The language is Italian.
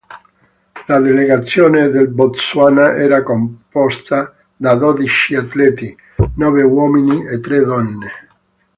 La delegazione del Botswana era composta da dodici atleti, nove uomini e tre donne.